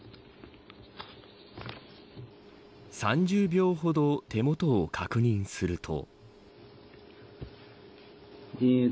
３０秒ほど手元を確認すると。